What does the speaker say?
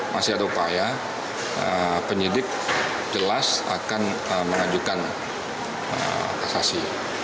masih ada upaya penyidik jelas akan mengajukan kasasi